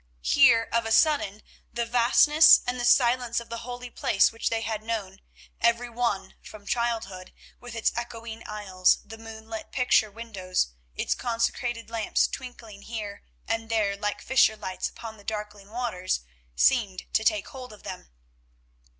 Here, of a sudden, the vastness and the silence of the holy place which they had known, every one, from childhood, with its echoing aisles, the moonlit, pictured windows, its consecrated lamps twinkling here and there like fisher lights upon the darkling waters, seemed to take hold of them.